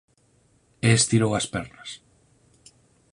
E estirou as pernas.